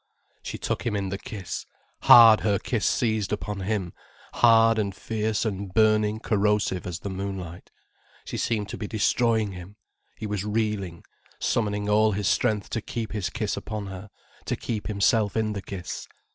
She took him in the kiss, hard her kiss seized upon him, hard and fierce and burning corrosive as the moonlight. She seemed to be destroying him. He was reeling, summoning all his strength to keep his kiss upon her, to keep himself in the kiss.